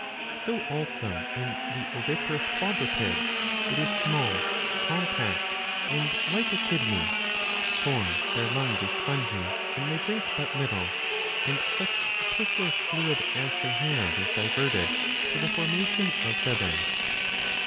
So also in the oviparous quadrupeds it is small, compact, and like a kidney. For their lung is spongy, ^^ and they drink but little, and such superfluous fluid as they have is diverted to the formation of feathers.